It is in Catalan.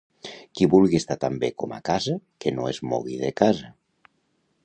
Qui vulgui estar tan bé com a casa que no es mogui de casa.